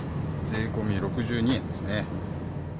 税込みで６２円ですね。